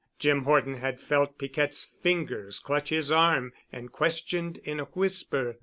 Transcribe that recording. Jim Horton had felt Piquette's fingers clutch his arm and questioned in a whisper.